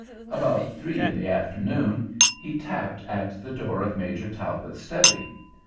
About three in the afternoon he tapped at the door of Major Talbot's study.